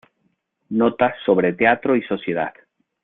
Notas sobre teatro y sociedad".